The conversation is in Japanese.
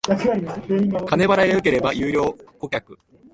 金払いが良ければ優良顧客